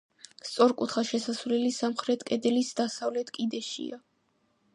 სწორკუთხა შესასვლელი სამხრეთ კედლის დასავლეთ კიდეშია.